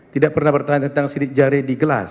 tidak pernah bertanya tentang sidik jari di gelas